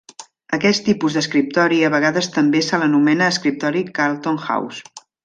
Aquest tipus d'escriptori a vegades també se l'anomena escriptori Carlton House.